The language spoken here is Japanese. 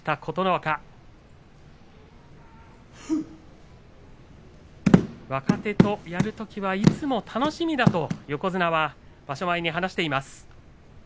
若手とやるときはいつも楽しみだと横綱は場所前に話しています。